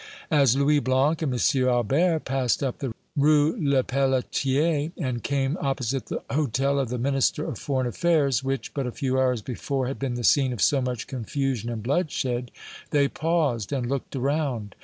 As Louis Blanc and M. Albert passed up the Rue Lepelletier, and came opposite the Hôtel of the Minister of Foreign Affairs, which, but a few hours before, had been the scene of so much confusion and bloodshed, they paused and looked around.